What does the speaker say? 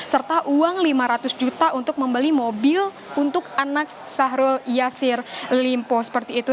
serta uang lima ratus juta untuk membeli mobil untuk anak syahrul yassin limpo seperti itu